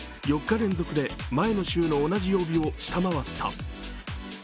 ４日連続で前の週の同じ曜日を下回った。